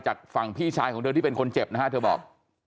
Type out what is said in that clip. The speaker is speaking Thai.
จากฝั่งพี่ชายของเธอที่เป็นคนเจ็บนะฮะเธอบอก